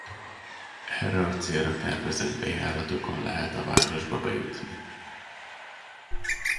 Erre a célra tervezett bejáratokon lehet a városba bejutni.